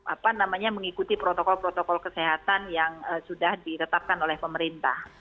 apa namanya mengikuti protokol protokol kesehatan yang sudah ditetapkan oleh pemerintah